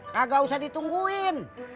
kagak usah ditungguin